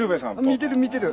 見てる見てる！